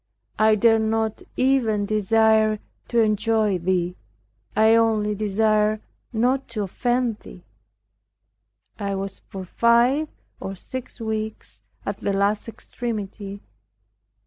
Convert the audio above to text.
I dared not even desire to enjoy Thee I only desired not to offend Thee. I was for five or six weeks at the last extremity.